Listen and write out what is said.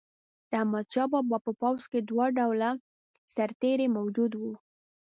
د احمدشاه بابا په پوځ کې دوه ډوله سرتیري موجود وو.